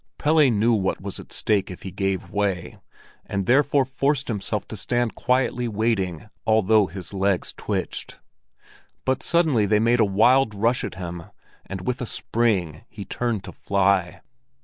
Pelle knew what was at stake if he gave way, and therefore forced himself to stand quietly waiting although his legs twitched. But suddenly they made a wild rush at him, and with a spring he turned to fly.